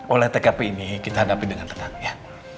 oleh tkp ini kita hadapi dengan tetap ya